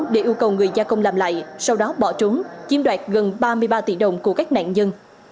để yêu cầu người gia công làm lại sau đó bỏ trốn chiếm đoạt gần ba mươi ba tỷ đồng của các nạn nhân